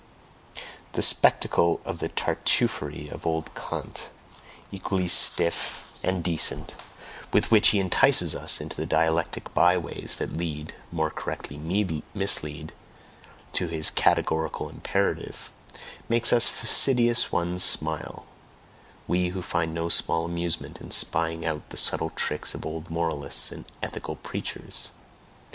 The spectacle of the Tartuffery of old Kant, equally stiff and decent, with which he entices us into the dialectic by ways that lead (more correctly mislead) to his "categorical imperative" makes us fastidious ones smile, we who find no small amusement in spying out the subtle tricks of old moralists and ethical preachers.